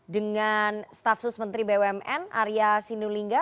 dengan staf sus menteri bumn arya sinulinga